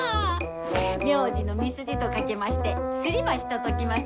苗字の見須子と掛けましてすり橋とときます。